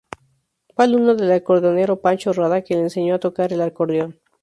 Fue alumno del acordeonero Pacho Rada, quien le enseñó a tocar el acordeón.